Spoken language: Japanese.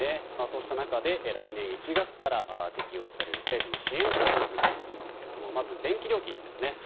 そうした中で来年１月から適用される政府の支援策を見ていきますがまず電気料金ですね。